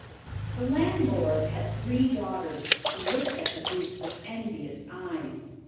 The landlord had three daughters, who looked at the goose with envious eyes.